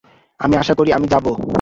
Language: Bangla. আমি আশা করি আমি যাব।